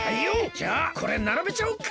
じゃあこれならべちゃおっか。